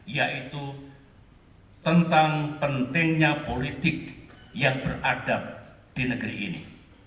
yaitu tentang pentingnya politik yang beradab di negeri ini